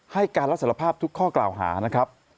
ให้การรับสารภาพทุกข้อกล่าวหานะครับ